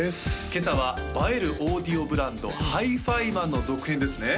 今朝は映えるオーディオブランドＨＩＦＩＭＡＮの続編ですね